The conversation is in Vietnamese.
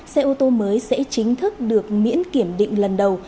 xe ô tô mới sẽ chính thức được miễn kiểm định lần đầu